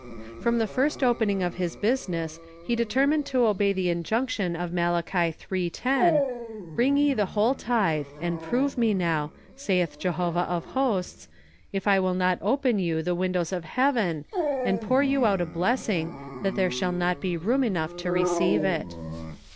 From the first opening of his business he determined to obey the injunction of Malachi 3:10,—"Bring ye the whole tithe ... and prove me now ... saith Jehovah of Hosts, if I will not open you the windows of heaven, and pour you out a blessing, that there shall not be room enough to receive it."